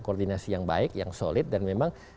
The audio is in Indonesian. koordinasi yang baik yang solid dan memang